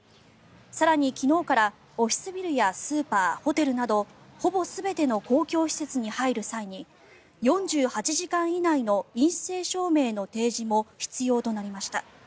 更に、昨日からオフィスビルやスーパー、ホテルなどほぼ全ての公共施設に入る際に４８時間以内の陰性証明の提示も必要となりました。